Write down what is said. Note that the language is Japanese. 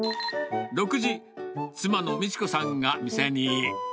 ６時、妻の美知子さんが店に。